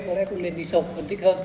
có lẽ cũng nên đi sâu phân tích hơn